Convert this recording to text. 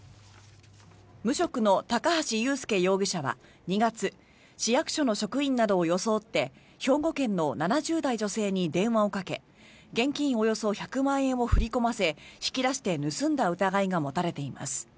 無職の高橋優介容疑者は２月市役所の職員などを装って兵庫県の７０代女性に電話をかけ現金およそ１００万円を振り込ませ引き出して盗んだ疑いが持たれています。